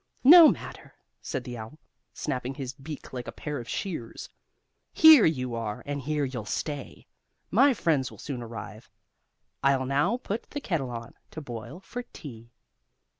"No matter," said the owl, snapping his beak like a pair of shears, "here you are and here you'll stay! My friends will soon arrive. I'll now put the kettle on, to boil for tea."